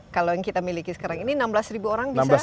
kalau yang kita miliki sekarang ini enam belas ribu orang bisa